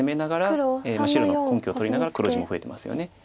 白の根拠を取りながら黒地も増えてますよね。